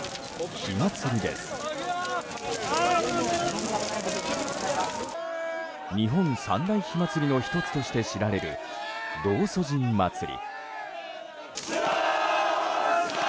日本三大火祭りの１つとして知られる道祖神祭り。